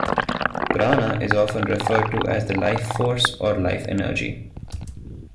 Prana is often referred to as the "life force" or "life energy".